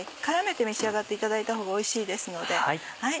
絡めて召し上がっていただいたほうがおいしいですので。